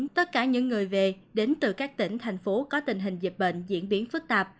tất cả những người về đến từ các tỉnh thành phố có tình hình dịch bệnh diễn biến phức tạp